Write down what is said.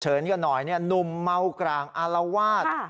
เฉินกันหน่อยเนี่ยหนุ่มเมากลางอาลาวาส